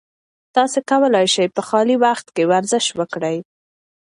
تاسي کولای شئ په خالي وخت کې ورزش وکړئ.